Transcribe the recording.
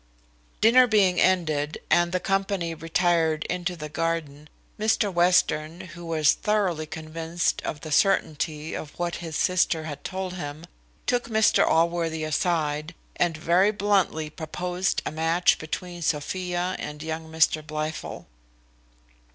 Dinner being ended, and the company retired into the garden, Mr Western, who was thoroughly convinced of the certainty of what his sister had told him, took Mr Allworthy aside, and very bluntly proposed a match between Sophia and young Mr Blifil.